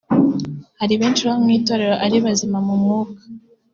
Hari benshi baba mu Itorero ari bazima mu mwuka